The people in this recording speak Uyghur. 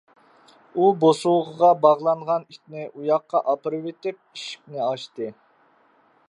ئۇ بوسۇغىغا باغلانغان ئىتنى ئۇياققا ئاپىرىۋېتىپ ئىشىكنى ئاچتى.